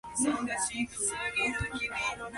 The higher altitudes are covered in forest.